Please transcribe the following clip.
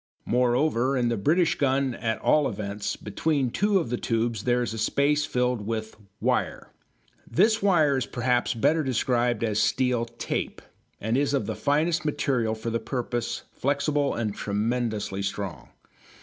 Moreover, in the British gun at all events, between two of the tubes there is a space filled with "wire." This wire is perhaps better described as steel tape, and is of the finest material for the purpose, flexible and tremendously strong.